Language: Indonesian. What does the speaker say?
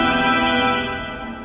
anda dengar tak